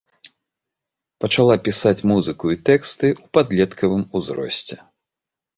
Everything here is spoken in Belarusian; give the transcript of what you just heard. Пачала пісаць музыку і тэксты ў падлеткавым узросце.